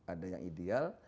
ada yang ideal